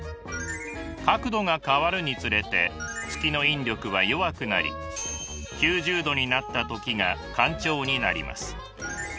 角度が変わるにつれて月の引力は弱くなり９０度になった時が干潮になります。